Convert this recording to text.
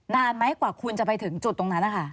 นานไหมกว่าคุณจะไปถึงจุดตรงนั้นนะคะ